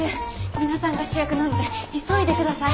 皆さんが主役なので急いで下さい。